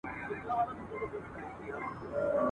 او پر جنازو بار سوي ورځي پای ته نه رسیږي !.